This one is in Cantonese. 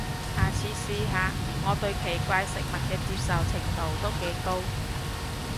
下次試下，我對奇怪食物嘅接受程度都幾高